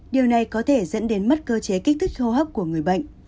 điều này có thể dẫn đến mất cơ chế kích thích hô hấp của người bệnh